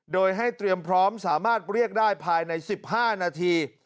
โดยให้เตรียมพร้อมสามารถเรียกได้ภายใน๑๕นาที